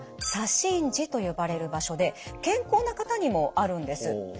左心耳と呼ばれる場所で健康な方にもあるんです。